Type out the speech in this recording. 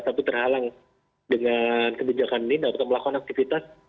tapi terhalang dengan kebijakan ini atau melakukan aktivitas